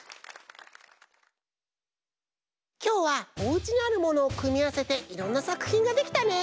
きょうはおうちにあるものをくみあわせていろんなさくひんができたね。